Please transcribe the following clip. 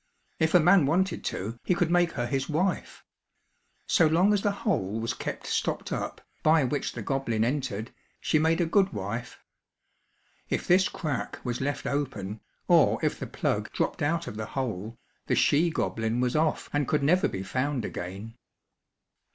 If a man wanted to, he could make her his wife. So long as the hole was kept stopped up, by which the goblin entered, she made a good wife. If this crack was left open, or if the plug dropped out of the hole, the she goblin was off and could never be found again.